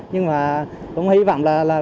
nhưng mà cũng hy vọng là